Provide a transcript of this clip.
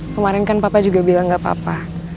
kemarin kan papa juga bilang gak apa apa